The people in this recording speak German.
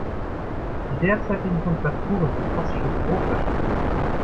Die derzeitigen Temperaturen sind fast schon tropisch.